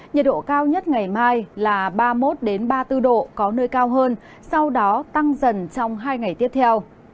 nhiệt độ cao nhất ngày mai là ba mươi một ba mươi bốn độ có nơi cao hơn sau đó tăng dần trong hai ngày tiếp theo